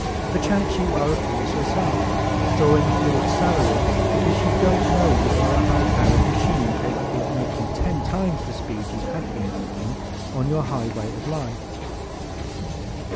Perchance you are a Pierce yourself, drawing a Ford salary because you don't know you are a high powered machine capable of making ten times the speed you have been making on your highway of life.